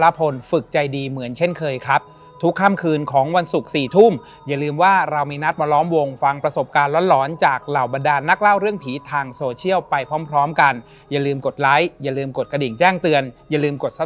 ฝึกใจดีเหมือนเช่นเคยครับทุกค่ำคืนของวันศุกร์๔ทุ่มอย่าลืมว่าเรามีนัดมาล้อมวงฟังประสบการณ์หลอนจากเหล่าบรรดานนักเล่าเรื่องผีทางโซเชียลไปพร้อมพร้อมกันอย่าลืมกดไลค์อย่าลืมกดกระดิ่งแจ้งเตือนอย่าลืมกดซะ